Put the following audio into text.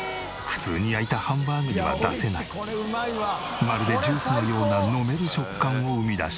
普通に焼いたハンバーグには出せないまるでジュースのような飲める食感を生み出している。